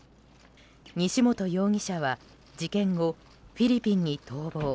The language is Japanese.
西本容疑者は事件後、フィリピンに逃亡。